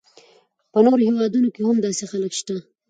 په نورو هیوادونو کې هم داسې خلک شته.